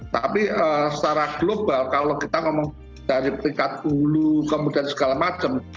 tapi secara global kalau kita ngomong dari peringkat hulu kemudian segala macam